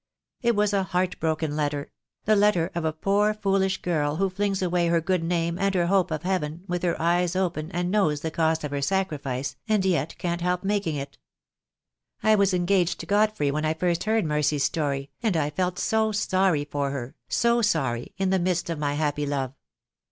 It was a heart broken letter — the letter of a poor foolish girl who flings away her good name and her hope of Heaven, with her eyes open, and knows the cost of her sacrifice, and yet can't help making it. I was engaged to Godfrey when I first heard Mercy's story, and I felt so sorry for her, so sorry, in the midst of my happy love.